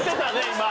今。